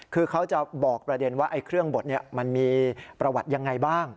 คือเขาจะบอกประเด็นว่าเครื่องบดมันมีประวัติยังไงบ้าง